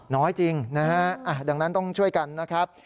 น้อยจริงนะฮะดังนั้นต้องช่วยกันนะครับ